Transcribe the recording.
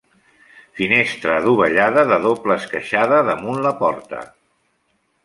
Finestra adovellada de doble esqueixada damunt la porta.